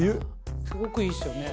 すごくいいっすよね。